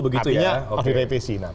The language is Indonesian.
artinya harus direvisi